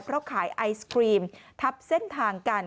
เพราะขายไอศครีมทับเส้นทางกัน